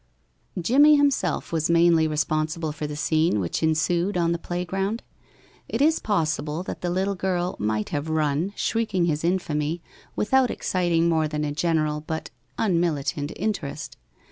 Jimmie himself was mainly responsible for the scene which ensued on the play ground. It is possible that the little girl might have run, shrieking his infamy, without exciting more than a general but unmilitant interest.